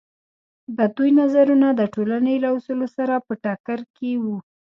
د دوی نظرونه د ټولنې له اصولو سره په ټکر کې وو.